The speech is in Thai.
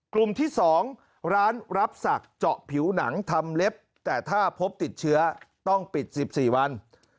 กลุ่มที่๒ร้านรับศักดิ์เจาะผิวหนังทำเล็บแต่ถ้าพบติดเชื้อต้องปิด๑๔วัน